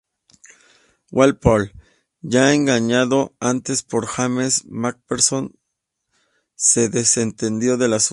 Walpole –ya engañado antes por James Macpherson– se desentendió del asunto.